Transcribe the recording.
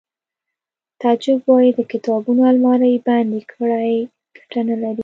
تعجب وایی د کتابونو المارۍ بندې کړئ ګټه نلري